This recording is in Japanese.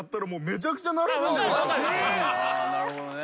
なるほどね。